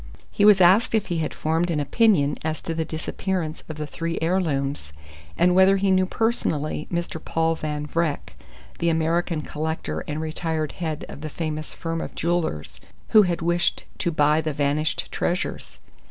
He was asked if he had formed an opinion as to the disappearance of the three heirlooms, and whether he knew personally Mr. Paul Van Vreck, the American collector and retired head of the famous firm of jewellers, who had wished to buy the vanished treasures.